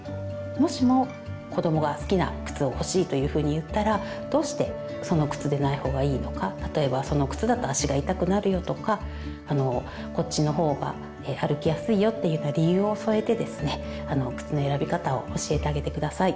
もしも子どもが好きな靴を欲しいというふうに言ったらどうしてその靴でない方がいいのか例えばその靴だと足が痛くなるよとかこっちの方が歩きやすいよっていうような理由を添えてですね靴の選び方を教えてあげて下さい。